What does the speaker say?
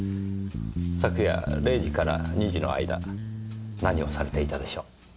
昨夜０時から２時の間何をされていたでしょう？